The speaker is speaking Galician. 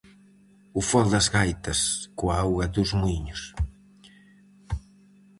O fol das gaitas coa auga dos muíños.